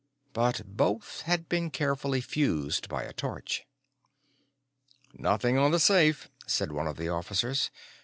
But both had been carefully fused by a torch. "Nothing on the safe," said one of the officers.